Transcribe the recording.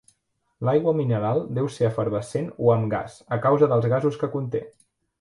L'aigua mineral deu ser efervescent o "amb gas" a causa dels gasos que conté.